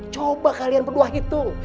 coba kalian berdua hitung